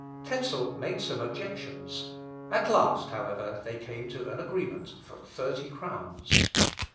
Tezel made some objections; at last, however, they came to an agreement for thirty crowns.